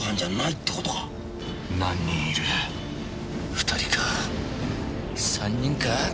２人か３人か？